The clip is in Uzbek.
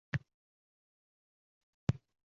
Baribir ko`z ochib ko`rganim ekan